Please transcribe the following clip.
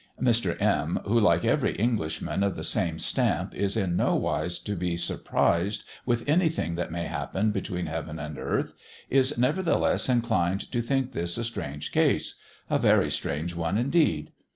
Mr. M , who, like every Englishman of the same stamp, is in no wise to be surprised with any thing that may happen between heaven and earth, is nevertheless inclined to think this a strange case a very strange one indeed.